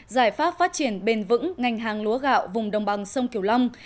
giải pháp phát triển bền vững ngành hàng lúa gạo vùng đồng bằng sông kiều long